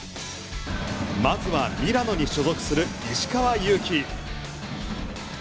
まずはミラノに所属する石川祐希。